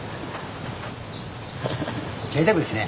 ぜいたくですね。